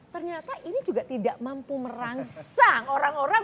ternyata ini juga tidak mampu merangsang orang orang